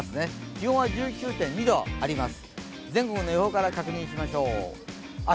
気温は１９．２度あります。